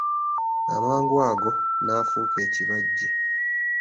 Amangu ago, n'afuuka ekibajje.